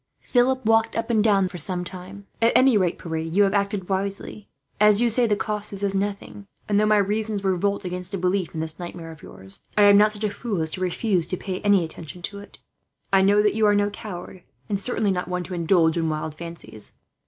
Philip walked up and down the room for some time. "At any rate, Pierre, you have acted wisely. As you say, the cost is as nothing; and though my reason revolts against a belief in this nightmare of yours, I am not such a fool as to refuse to pay any attention to it. I know that you are no coward, and certainly not one to indulge in wild fancies.